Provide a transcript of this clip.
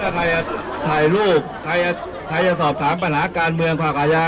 โคตรออกไปไปหาเพลงคำตอบนะ